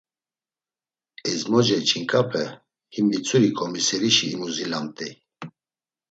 Ezmoce ç̌inǩape, him Vitzuri ǩomiserişi imuzilamt̆ey.